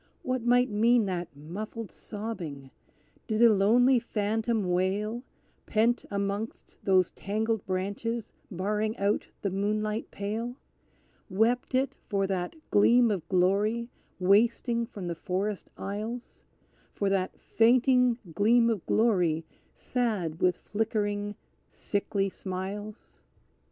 What might mean that muffled sobbing? Did a lonely phantom wail, Pent amongst those tangled branches barring out the moonlight pale? Wept it for that gleam of glory wasting from the forest aisles; For that fainting gleam of glory sad with flickering, sickly smiles?